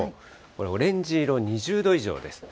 これ、オレンジ色、２０度以上です。